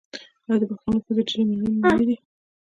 آیا د پښتنو ښځې ډیرې میړنۍ نه دي؟